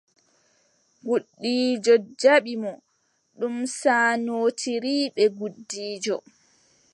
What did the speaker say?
Gudiijo jaɓɓi mo, ɗum saanootiri bee gudiijo.